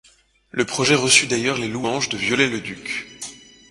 Le projet reçut d'ailleurs les louanges de Viollet-le-Duc.